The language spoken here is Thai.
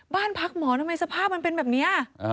บ้านพักหมอทำไมสภาพมันเป็นแบบนี้